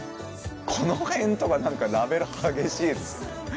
この辺とかラベル激しいですよ。